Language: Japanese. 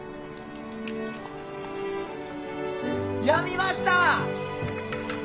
やみました。